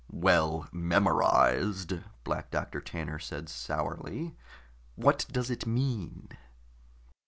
"Well memorized," Black Doctor Tanner said sourly. "What does it mean?"